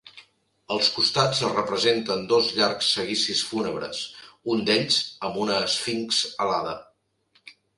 Als costats es representen dos llargs seguicis fúnebres, un d'ells amb una esfinx alada.